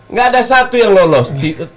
nggak ada satu yang lolos